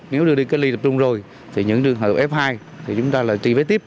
nếu đưa đi cách ly tập trung rồi thì những trường hợp f hai thì chúng ta là truy vết tiếp